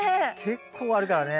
結構あるからね。